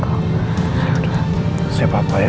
ya udah siapa apa ya